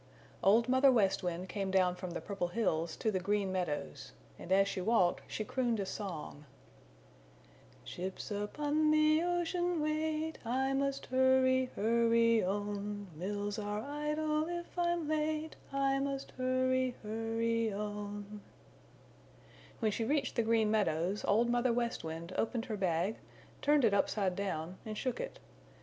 Old Mother West Wind came down from the Purple Hills to the Green Meadows and as she walked she crooned a song: "Ships upon the ocean wait; I must hurry, hurry on! Mills are idle if I'm late; I must hurry, hurry on." When she reached the Green Meadows Old Mother West Wind opened her bag, turned it upside down and shook it.